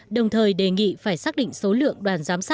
đồng thời đề nghị phải xác định số lượng đoàn giám sát